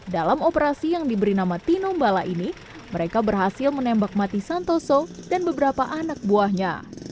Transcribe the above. dalam operasi yang diberi nama tinombala ini mereka berhasil menembak mati santoso dan beberapa anak buahnya